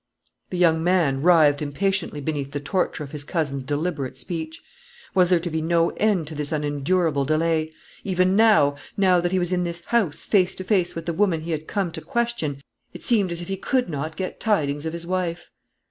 The young man writhed impatiently beneath the torture of his cousin's deliberate speech. Was there to be no end to this unendurable delay? Even now, now that he was in this house, face to face with the woman he had come to question it seemed as if he could not get tidings of his wife.